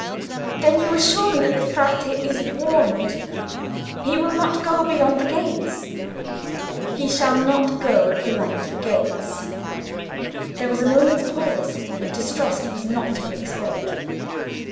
"Then you assure me that the Frate is warned—he will not go beyond the gates?" "He shall not go beyond the gates." There was a moment's pause, but distrust was not to be expelled.